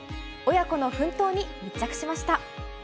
親子の奮闘に密着しました。